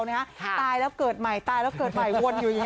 ซึ่งแย่แล้วเกิดใหม่ใต้และเกิดใหม่วนอยู่นี้